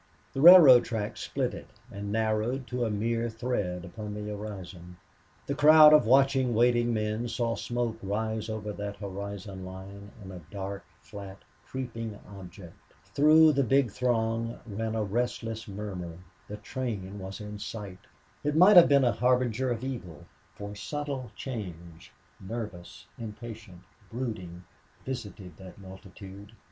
The railroad track split it and narrowed to a mere thread upon the horizon. The crowd of watching, waiting men saw smoke rise over that horizon line, and a dark, flat, creeping object. Through the big throng ran a restless murmur. The train was in sight. It might have been a harbinger of evil, for a subtle change, nervous, impatient, brooding, visited that multitude.